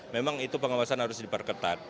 memang itu pengawasan harus diperketat